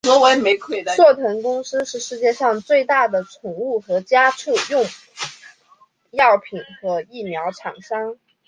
硕腾公司是世界上最大的宠物和家畜用药品和疫苗厂商。